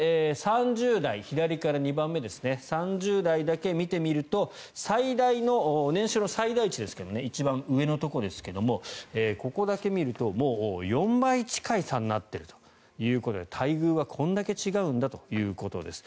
３０代、左から２番目３０代だけ見てみると年収の最大値一番上のところですがここだけ見ると４倍近い差になっているということで待遇はこれだけ違うんだということです。